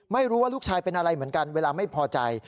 ไม่รู้ว่าลูกชายเป็นอะไรเหมือนกันเวลาไม่พอใจ